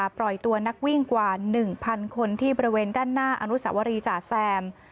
ปล่อยตัวนักวิ่งกว่า๑๐๐คนที่บริเวณด้านหน้าอนุสวรีจ่าแซม